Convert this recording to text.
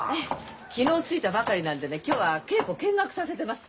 昨日着いたばかりなんでね今日は稽古見学させてます。